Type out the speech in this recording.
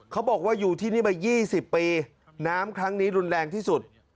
เขาบอกว่าอยู่ที่นี่มา๒๐ปีน้ำครั้งนี้รุนแรงที่สุด